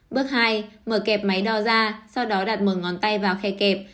bước hai mở kẹp máy đo ra sau đó đặt mở ngón tay vào khe kẹp